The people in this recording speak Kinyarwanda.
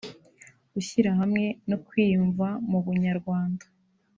gushyira hamwe no kwiyumva mu Bunyarwanda